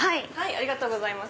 ありがとうございます